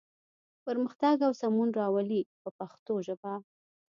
پرمختګ او سمون راولي په پښتو ژبه.